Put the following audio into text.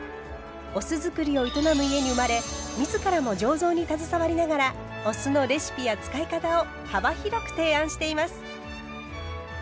お酢造りを営む家に生まれ自らも醸造に携わりながらお酢のレシピや使い方を幅広く提案しています。